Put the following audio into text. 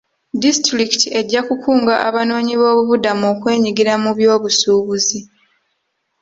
Disitulikiti ejja kukunga abanoonyiboobubudamu okwenyigira mu byobusuubuzi.